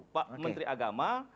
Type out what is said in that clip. pak menteri agama